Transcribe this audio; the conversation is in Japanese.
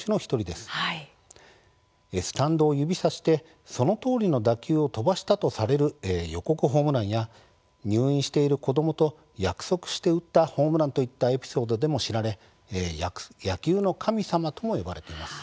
スタンドを指さしてそのとおりの打球を飛ばしたとされる予告ホームランや入院している子どもと約束して打ったホームランといったエピソードでも知られ野球の神様とも呼ばれています。